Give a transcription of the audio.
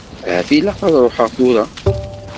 Ahat ilaq ad ṛuḥeɣ tura.